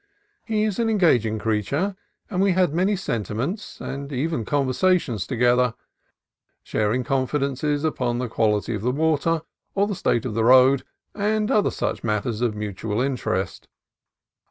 He is an engaging creature, and we had many sentiments, and even conversations, together, sharing confidences upon the quality of the water, or the state of the roads, and other such matters of mutual interest.